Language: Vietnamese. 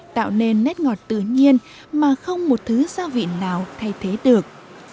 tạo nên nét ngọt tự nhiên mà không một thứ gia vị nào thay thế được